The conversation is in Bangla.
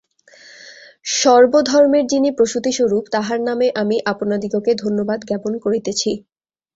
সর্বধর্মের যিনি প্রসূতি-স্বরূপ, তাঁহার নামে আমি আপনাদিগকে ধন্যবাদ জ্ঞাপন করিতেছি।